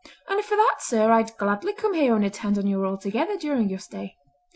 Only for that, sir, I'd gladly come here and attend on you altogether during your stay."